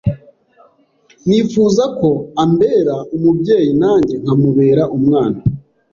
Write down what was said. nifuza ko ambera umubyeyi nanjye nkamubera umwana